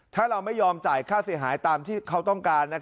ถ้าเราไม่ยอมจ่ายค่าเสียหายตามที่เขาต้องการ